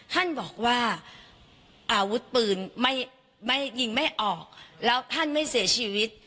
ท่านบอกว่าอาวุธปืนไม่ยิงไม่ออกแล้วท่านไม่เสียชีวิต